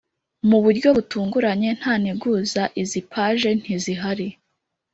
mu buryo butunguranye, nta nteguza, izi page ntizihari.